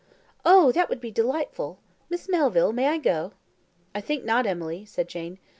"Oh! that would be delightful. Miss Melville, may I go?" "I think not, Emily," said Jane.